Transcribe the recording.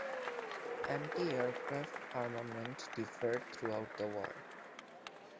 Anti-aircraft armament differed throughout the war.